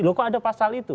loh kok ada pasal itu